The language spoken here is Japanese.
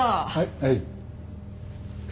はい？